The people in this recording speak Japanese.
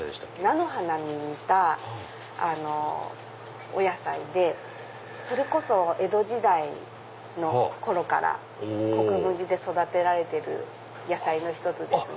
菜の花に似たお野菜でそれこそ江戸時代の頃から国分寺で育てられてる野菜の１つですね。